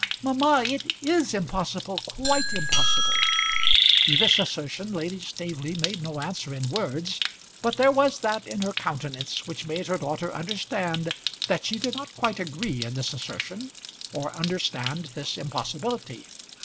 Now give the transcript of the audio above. "Mamma, it is impossible; quite impossible!" To this assertion Lady Staveley made no answer in words, but there was that in her countenance which made her daughter understand that she did not quite agree in this assertion, or understand this impossibility.